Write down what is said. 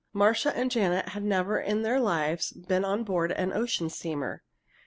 Marcia and Janet had never in their lives been on board of an ocean steamer.